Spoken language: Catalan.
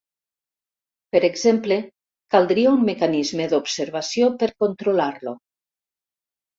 Per exemple, caldria un mecanisme d'observació per controlar-lo.